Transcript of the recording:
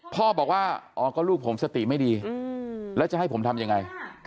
พ่อบอกว่าอ๋อก็ลูกผมสติไม่ดีแล้วจะให้ผมทำยังไง